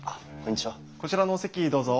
こちらのお席どうぞ。